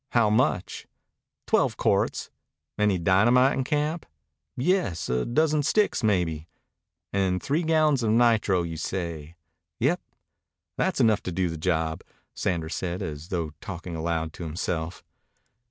"How much?" "Twelve quarts." "Any dynamite in camp?" "Yes. A dozen sticks, maybe." "And three gallons of nitro, you say." "Yep." "That's enough to do the job," Sanders said, as though talking aloud to himself.